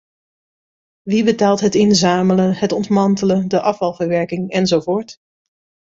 Wie betaalt het inzamelen, het ontmantelen, de afvalverwerking enzovoort?